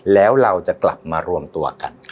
แล้วเราจะกลับมารวมตัวกัน